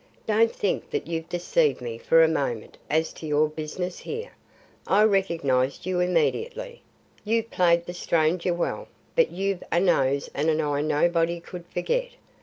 Don't think that you've deceived me for a moment as to your business here. I recognised you immediately. You've played the stranger well, but you've a nose and an eye nobody could forget.